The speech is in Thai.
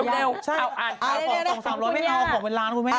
เร็วอ่ะของตรงสามร้อยให้เอาของเป็นล้านครับคุณแม่ม